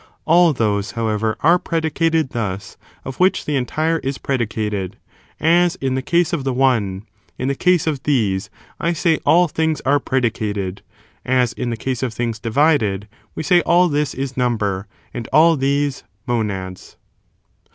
All those, however, are predicated thus of which the entire is predicated; as in the case of the one, in the case of these I say all things are predicated; as in the case of things divided we say all this is number, and all these monads.